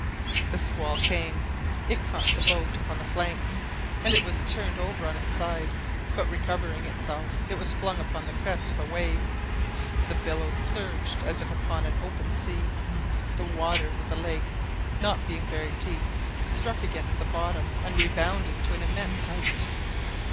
The squall came. It caught the boat upon the flank, and it was turned over on its side; but recovering itself, it was flung upon the crest of a wave. The billows surged as if upon an open sea. The waters of the lake not being very deep, struck against the bottom and rebounded to an immense height.